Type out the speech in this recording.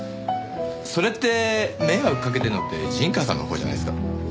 それって迷惑かけてるのって陣川さんのほうじゃないっすか？